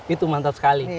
itu mantap sekali